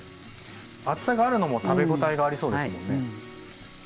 厚さがあるのも食べ応えがありそうですもんね。